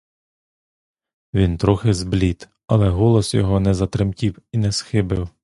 Він трохи зблід, але голос його не затремтів і не схибив.